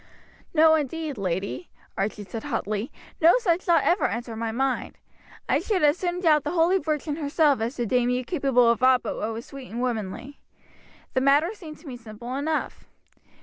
"No, indeed, lady," Archie said hotly. "No such thought ever entered my mind. I should as soon doubt the holy Virgin herself as to deem you capable of aught but what was sweet and womanly. The matter seemed to me simple enough.